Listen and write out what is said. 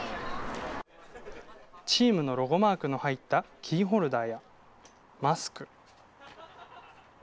チームのロゴマークの入ったキーホルダーやマスク。